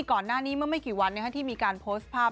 ก่อนหน้านี้เมื่อไม่กี่วันที่มีการโพสต์ภาพ